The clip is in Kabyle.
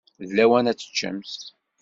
D lawan ad teččemt.